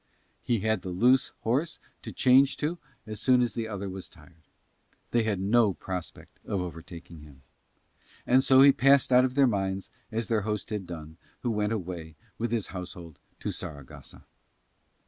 He had the loose horse to change on to as soon as the other was tired: they had no prospect of overtaking him. And so he passed out of their minds as their host had done who went away with his household to Saragossa.